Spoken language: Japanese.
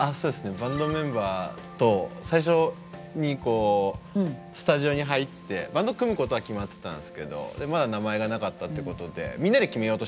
バンドメンバーと最初にこうスタジオに入ってバンド組むことは決まってたんですけどまだ名前がなかったってことでそんなひどいことを！